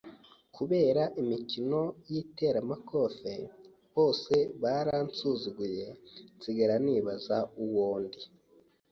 kubera imikino y’iterambakofe, bose baransuzuguye nsigara nibaza uwo ndi